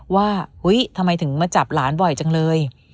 ว่าเฮ้ยทำไมถึงมาจับหลานบ่อยจังเลย